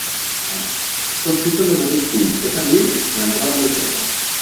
Tots surten del mateix punt, és a dir, l'entrada del poble.